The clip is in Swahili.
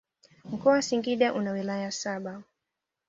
Mkoa wa singida una wilaya saba